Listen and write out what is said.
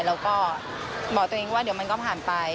แล้วก็บอกตัวเองว่าเดี๋ยวมันก็ผ่านไป